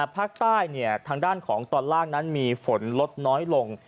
ภาคใต้ทางด้านของตอนล่างนั้นมีฝนลดน้อยลง